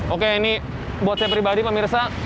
oke ini buat saya pribadi pemirsa